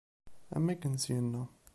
Am akken syinna.